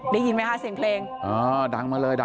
ได้ยินไหมคะเสียงเพลงอ๋อดังมาเลยดัง